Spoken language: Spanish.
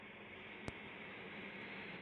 Previamente hubo en el pueblo varias iglesias más.